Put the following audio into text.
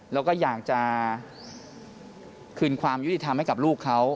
แล้วก็อยากจะคืนความยุติธรรมให้กับลูกเขา